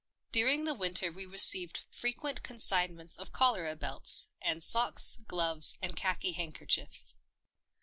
During the winter we received fre quent consignments of cholera belts and socks, gloves and khaki handkerchiefs.